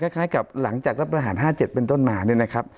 คล้ายกับหลังจากรัฐประหาร๕๗เป็นต้นมา